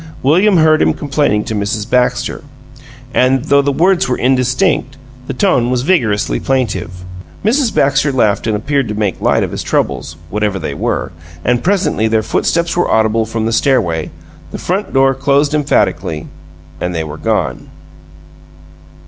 William heard him complaining to Mrs. Baxter, and though the words were indistinct, the tone was vigorously plaintive. Mrs. Baxter laughed and appeared to make light of his troubles, whatever they were and presently their footsteps were audible from the stairway; the front door closed emphatically, and they were gone.